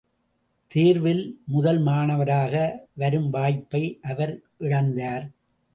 தேர்வி முதல் மாணவராக வரும் வாய்ப்பை அவர் இழந்தார்.